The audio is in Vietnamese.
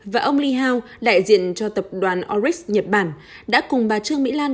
và ông lee hao đại diện cho tập đoàn orris nhật bản đã cùng bà trương mỹ lan